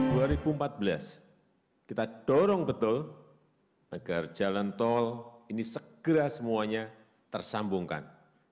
tahun dua ribu empat belas kita dorong betul agar jalan tol ini segera semuanya tersambungkan